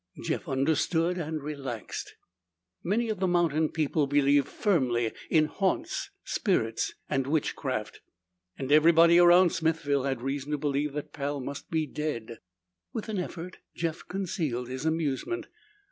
Jeff understood and relaxed. Many of the mountain people believed firmly in haunts, spirits and witchcraft. And everybody around Smithville had reason to believe that Pal must be dead. With an effort, Jeff concealed his amusement.